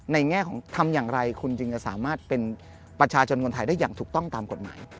แง่ของทำอย่างไรคุณจึงจะสามารถเป็นประชาชนคนไทยได้อย่างถูกต้องตามกฎหมาย